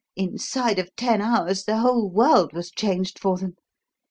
Inside of ten hours, the whole world was changed for them.